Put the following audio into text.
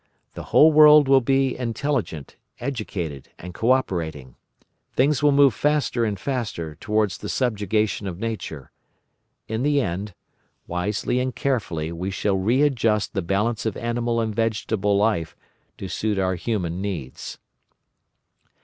The whole world will be intelligent, educated, and co operating; things will move faster and faster towards the subjugation of Nature. In the end, wisely and carefully we shall readjust the balance of animal and vegetable life to suit our human needs.